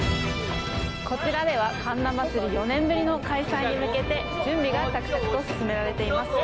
こちらでは神田祭、４年ぶりの開催に向けて準備が着々と進められています。